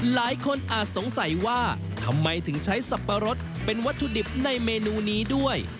อาจสงสัยว่าทำไมถึงใช้สับปะรดเป็นวัตถุดิบในเมนูนี้ด้วย